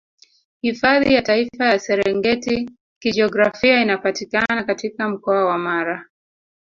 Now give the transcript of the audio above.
Hifadhi ya Taifa ya Serengeti Kijiografia inapatikana katika mkoa wa Mara